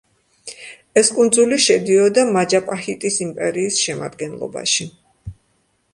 ეს კუნძული შედიოდა მაჯაპაჰიტის იმპერიის შემადგენლობაში.